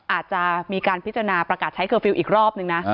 อาจจะมีการพิจารณาประกาศใช้เคอร์ฟิลล์อีกรอบนึงนะ